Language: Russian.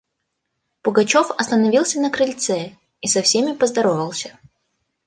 Пугачев остановился на крыльце и со всеми поздоровался.